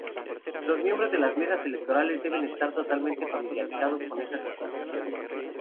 Los miembros de las mesas electorales deben estar totalmente familiarizados con esas disposiciones.